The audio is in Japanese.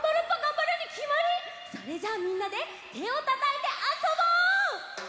それじゃあみんなでてをたたいてあそぼう！